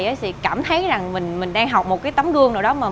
thầy cảm thấy rằng mình đang học một tấm đường